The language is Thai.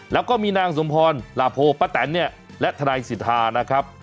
แล้วก็มีนางสมพรหลาโพป้าแตนเนี่ยและทนายสิทธานะครับ